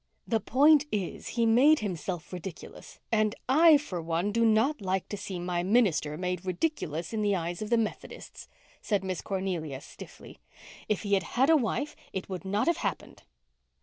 "The point is, he made himself ridiculous, and I, for one, do not like to see my minister made ridiculous in the eyes of the Methodists," said Miss Cornelia stiffly. "If he had had a wife it would not have happened."